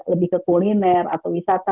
lebih ke kuliner atau wisata